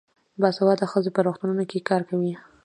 باسواده ښځې په روغتونونو کې کار کوي.